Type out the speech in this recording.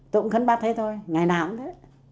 tôi cũng khấn bác thế thôi ngày nào cũng thế